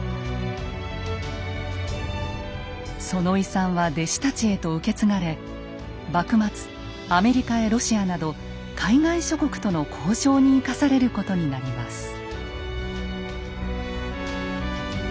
その遺産は弟子たちへと受け継がれ幕末アメリカやロシアなど海外諸国との交渉に生かされることになります。